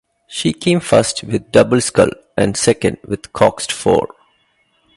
She came first with the double scull and second with the coxed four.